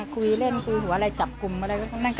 คุยเล่นกุมหัวอะไรเจาะกุมอะไรพวกนั้น